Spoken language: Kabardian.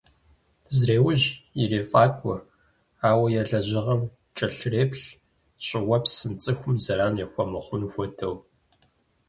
Зреужь, ирефӀакӀуэ, ауэ я лэжьыгъэм кӀэлъреплъ, щӀыуэпсым, цӀыхум зэран яхуэмыхъун хуэдэу.